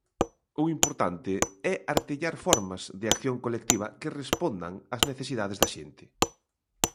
O importante é artellar formas de acción colectiva que respondan ás necesidades da xente.